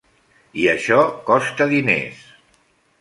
I això costa diners.